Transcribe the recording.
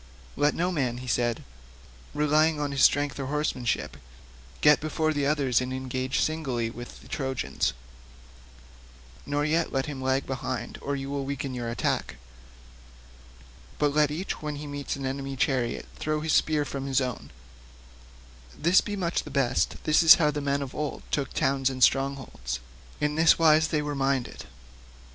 "Let no man," he said, "relying on his strength or horsemanship, get before the others and engage singly with the Trojans, nor yet let him lag behind or you will weaken your attack; but let each when he meets an enemy's chariot throw his spear from his own; this be much the best; this is how the men of old took towns and strongholds; in this wise were they minded."